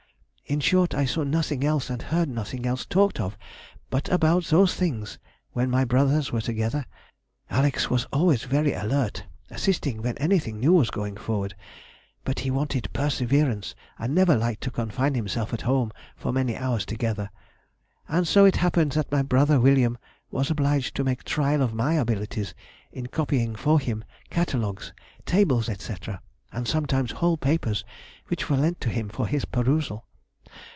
In short, I saw nothing else and heard nothing else talked of but about these things when my brothers were together. Alex was always very alert, assisting when anything new was going forward, but he wanted perseverance, and never liked to confine himself at home for many hours together. And so it happened that my brother William was obliged to make trial of my abilities in copying for him catalogues, tables, &c., and sometimes whole papers which were lent him for his perusal.